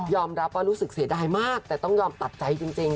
รับว่ารู้สึกเสียดายมากแต่ต้องยอมตัดใจจริง